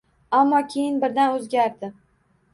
Ammo keyin birdan o‘zgardi